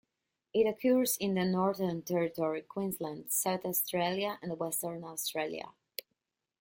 It occurs in the Northern Territory, Queensland, South Australia, and Western Australia.